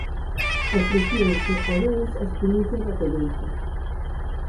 Ofrecíanse ao deus as primicias da colleita.